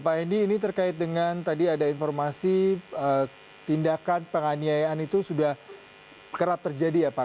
pak hendy ini terkait dengan tadi ada informasi tindakan penganiayaan itu sudah kerap terjadi ya pak